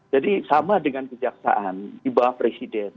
jadi sama dengan kejaksaan di bawah presiden